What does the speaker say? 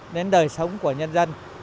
đến đời sống của nhân dân